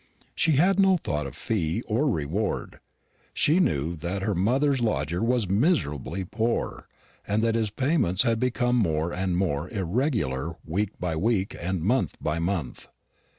She had no thought of fee or reward; she knew that her mother's lodger was miserably poor, and that his payments had become more and more irregular week by week and month by month.